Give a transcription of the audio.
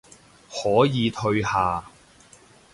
可以退下